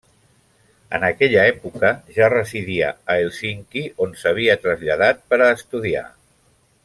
En aquella època ja residia a Hèlsinki, on s'havia traslladat per a estudiar.